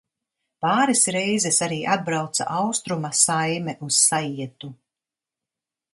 Pāris reizes arī atbrauca Austruma saime uz saietu.